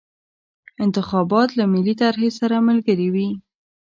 انتخابات له ملي طرحې سره ملګري وي.